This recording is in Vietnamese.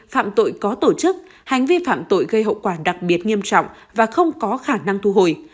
phạm tội có tổ chức hành vi phạm tội gây hậu quả đặc biệt nghiêm trọng và không có khả năng thu hồi